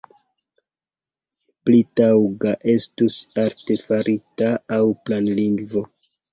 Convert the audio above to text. Pli taŭga estus artefarita aŭ planlingvo.